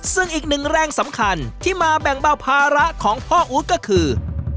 ซึ่งอีกหนึ่งแรงสำคัญที่มาแบ่งเบาภาระของพ่ออู๊ดก็คือ